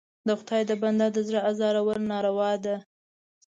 د خدای د بنده د زړه ازارول ناروا ده.